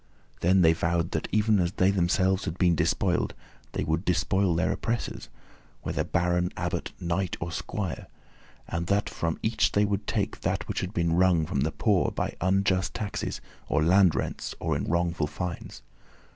Then they vowed that even as they themselves had been despoiled they would despoil their oppressors, whether baron, abbot, knight, or squire, and that from each they would take that which had been wrung from the poor by unjust taxes, or land rents, or in wrongful fines.